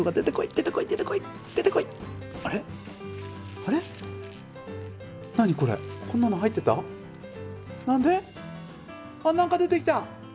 あっ何か出てきた。